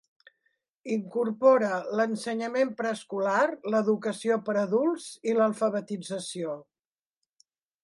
Incorpora l'ensenyament preescolar, l'educació per a adults i l'alfabetització.